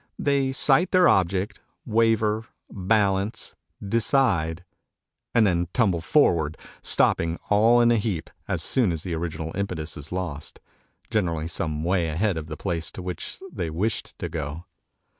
They sight their object, waver, balance, decide, and then tumble forward, stopping all in a heap as soon as the original impetus is lost generally some way ahead of the place to which they wished to go.